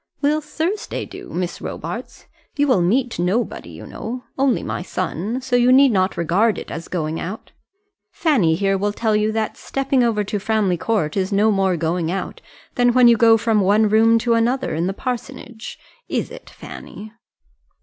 "Will Thursday do, Miss Robarts? You will meet nobody you know, only my son; so you need not regard it as going out. Fanny here will tell you that stepping over to Framley Court is no more going out, than when you go from one room to another in the parsonage. Is it, Fanny?"